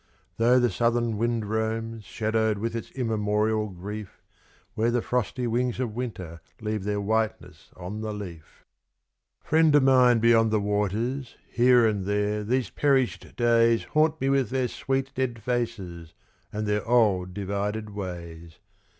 Though the southern wind roams, shadowed with its immemorial grief, Where the frosty wings of Winter leave their whiteness on the leaf. Friend of mine beyond the waters, here and here these perished days Haunt me with their sweet dead faces and their old divided ways.